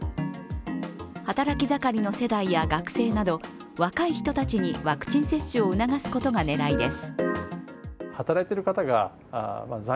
働き盛りの世代や学生など若い人たちにワクチン接種を促すことが狙いです。